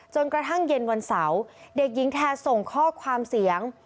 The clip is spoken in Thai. จนกระทั่งเย็นวันเสาร์เด็กหญิงแทส่งข้อความเสียง